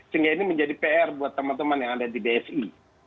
sehingga ini menjadi pr buat teman teman yang ada di bsi